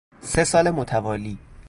سه سال متوالی